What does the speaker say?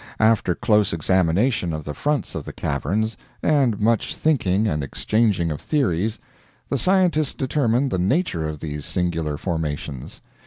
After close examination of the fronts of the caverns, and much thinking and exchanging of theories, the scientists determined the nature of these singular formations.